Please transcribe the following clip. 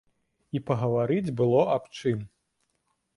І пагаварыць было аб чым.